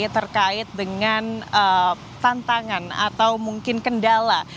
terkait dengan tantangan atau mungkin kendala